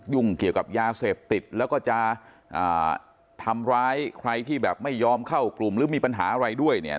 เกี่ยวกับยาเสพติดแล้วก็จะทำร้ายใครที่แบบไม่ยอมเข้ากลุ่มหรือมีปัญหาอะไรด้วยเนี่ย